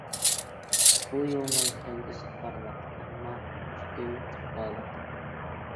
بۇ يولنىڭ كەلگۈسى پارلاق، ئەمما مۈشكۈل، جاپالىق.